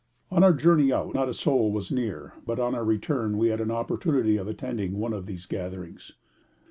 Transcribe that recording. On our journey out not a soul was near, but on our return we had an opportunity of attending one of these gatherings.